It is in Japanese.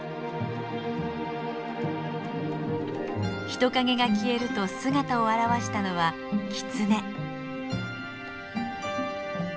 人影が消えると姿を現したのはキツネ。